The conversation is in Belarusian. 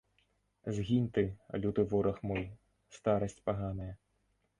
Згінь ты, люты вораг мой, старасць паганая!